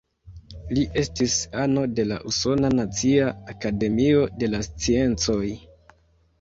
Li estis ano de la Usona nacia Akademio de la Sciencoj.